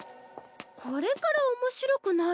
これから面白くなるのに。